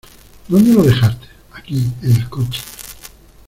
¿ Dónde lo dejaste? Aquí, en el coche.